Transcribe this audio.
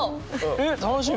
えっ楽しみ！